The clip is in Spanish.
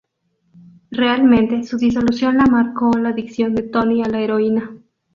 Realmente su disolución la marcó la dicción de Tony a la heroína.